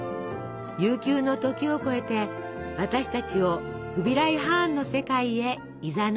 悠久の時を超えて私たちをフビライ・ハーンの世界へいざないます。